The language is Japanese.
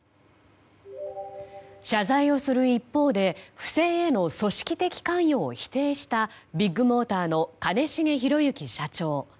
謝罪をする一方で不正への組織的関与を否定したビッグモーターの兼重宏行社長。